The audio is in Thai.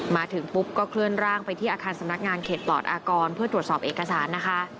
มาถึงปุ๊บก็เคลื่อนร่างไปที่อาคารสำนักงานเขตปลอดอากรเพื่อตรวจสอบเอกสารนะคะ